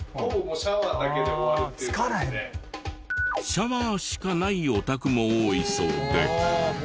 シャワーしかないお宅も多いそうで。